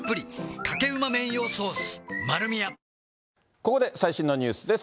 ここで最新のニュースです。